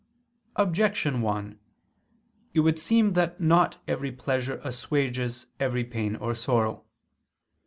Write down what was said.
Objection 1: It would seem that not every pleasure assuages every pain or sorrow.